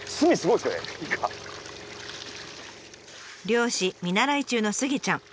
漁師見習い中のスギちゃん。